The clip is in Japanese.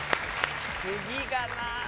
次がな。